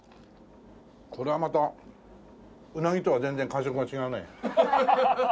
これはまたウナギとは全然感触が違うね。